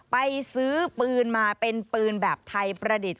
ไปซื้อปืนมาเป็นปืนแบบไทยประดิษฐ์